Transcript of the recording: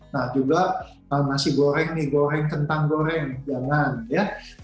nah juga nasi goreng mie goreng kentang goreng jangan ya